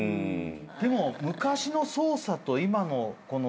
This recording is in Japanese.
でも昔の捜査と今の捜査と。